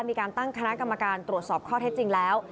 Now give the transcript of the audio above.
มีการตั้งคณะกรรมการตรวจสอบข้อเท็จจริงแล้ว